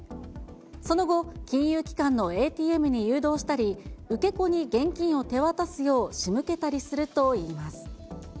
その後、金融機関のＡＴＭに誘導したり、受け子に現金を手渡すよう仕向けたりするといいます。